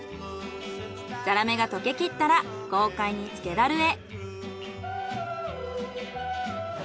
ザラメが溶け切ったら豪快に漬け樽へ。